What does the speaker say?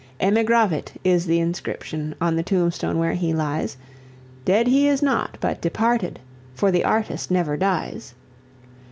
Emigravit is the inscription on the tomb stone where he lies; Dead he is not, but departed for the artist never dies.